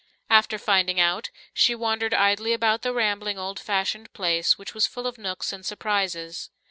After finding out, she wandered idly about the rambling, old fashioned place, which was full of nooks and surprises.